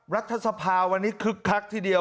รัฐศปราวันนี้คลิกคลักทีเดียว